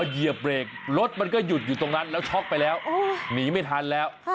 เหยียบเบรกรถมันก็หยุดอยู่ตรงนั้นแล้วช็อกไปแล้วหนีไม่ทันแล้ว